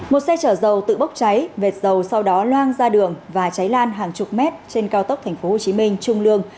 một xe chở dầu tự bốc cháy vệt dầu sau đó loang ra đường và cháy lan hàng chục mét trên cao tốc tp hcm trung lương